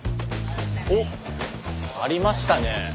おっありましたね。